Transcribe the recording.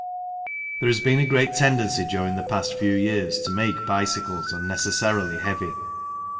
There has been a great tendency during the past few years to make bicycles unnecessarily heavy.